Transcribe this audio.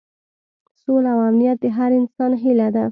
سوله او امنیت د هر انسان هیله ده.